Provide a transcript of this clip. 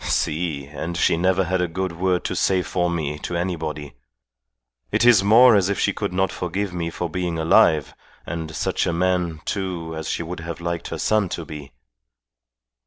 "Si! And she never had a good word to say for me to anybody. It is more as if she could not forgive me for being alive, and such a man, too, as she would have liked her son to be."